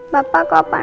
bapak kemana kesini